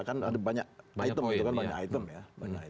kan ada banyak item